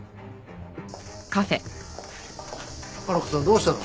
佳菜子さんどうしたの？